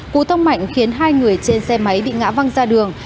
cụ thông mạnh khiến hai người trên xe máy bị ngã văng ra đường